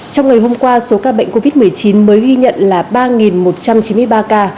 trong ngày hôm qua số ca bệnh covid một mươi chín mới ghi nhận là ba một trăm chín mươi ba ca